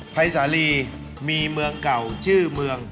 ภัยสาลีมีเมืองเก่าชื่อเมือง